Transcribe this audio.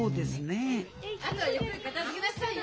あとはゆっくり片づけなさいよ。